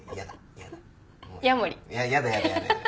やだやだやだやだ。